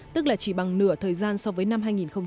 tức là chỉ bằng nửa thời gian so với năm hai nghìn một mươi bảy